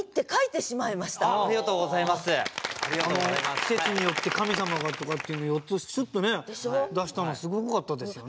季節によって神様がとかっていうの４つすっと出したのすごかったですよね。